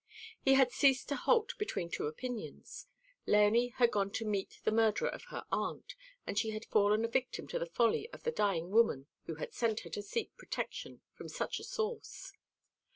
He had ceased to halt between two opinions. Léonie had gone to meet the murderer of her aunt, and she had fallen a victim to the folly of the dying woman who had sent her to seek protection from such a source.